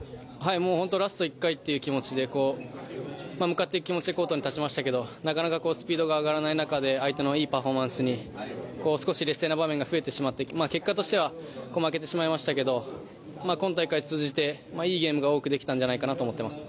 本当ラスト１回っていう気持ちで、向かっていく気持ちでコートに立ちましたけど、なかなかスピードが上がらない中で相手のいいパフォーマンスに少し劣勢な場面が増えてしまって、結果としては負けてしまいましたけれども、今大会通じていいゲームが多くできたんじゃないかなと思ってます。